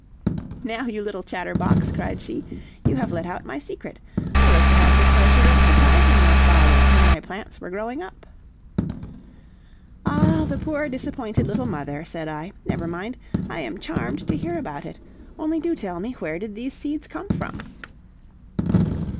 "Now, you little chatterbox!" cried she, "you have let out my secret! I was to have the pleasure of surprising your father when my plants were growing up." "Ah, the poor disappointed little mother!" said I. "Never mind! I am charmed to hear about it. Only do tell me where did these seeds come from?"